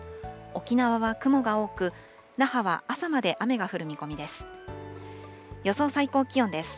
沖縄は雲が多く、那覇は朝まで雨が降る見込みです。